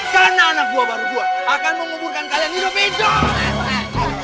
karena anak buah baru gue akan menguburkan kalian hidup hidup